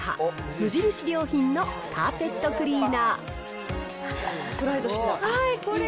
無印良品のカーペットクリーナースライド式だ。